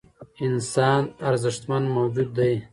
انسان ارزښتمن موجود دی .